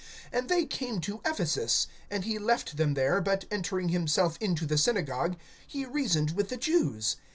(19)And they came to Ephesus, and he left them there but entering himself into the synagogue, he reasoned with the Jews.